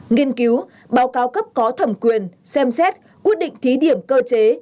nghiên cứu báo cáo cấp có thẩm quyền xem xét quyết định thí điểm cơ chế